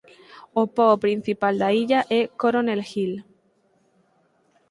O pobo principal da illa é Coronel Hill.